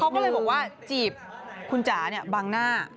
เขาก็เลยบอกว่าจีบคุณจ๋าบังหน้า